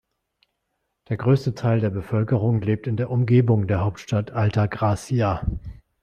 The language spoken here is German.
Der größte Teil der Bevölkerung lebt in der Umgebung der Hauptstadt Alta Gracia.